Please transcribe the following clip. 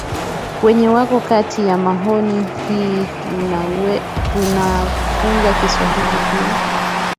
wenye wako kati ya maoni hi tunawafunza kiswahili pia